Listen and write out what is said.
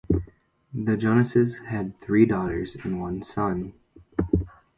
The Joneses had three daughters and one son.